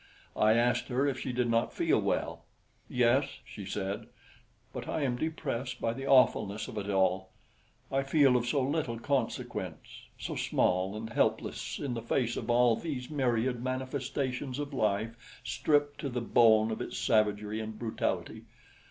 I asked her if she did not feel well. "Yes," she said, "but I am depressed by the awfulness of it all. I feel of so little consequence so small and helpless in the face of all these myriad manifestations of life stripped to the bone of its savagery and brutality.